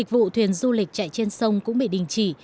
một vụ thuyền du lịch chạy trên sông cũng bị đình chỉ